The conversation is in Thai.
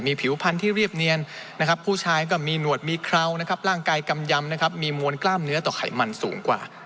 ผิวพันธุ์ที่เรียบเนียนนะครับผู้ชายก็มีหนวดมีเครานะครับร่างกายกำยำนะครับมีมวลกล้ามเนื้อต่อไขมันสูงกว่า